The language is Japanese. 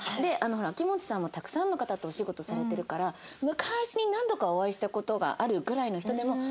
ほら秋元さんもたくさんの方とお仕事されてるから昔に何度かお会いした事があるぐらいの人でも。